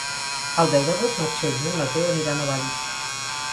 El deu d'agost na Txell i en Mateu aniran a Valls.